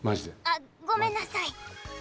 あっごめんなさい！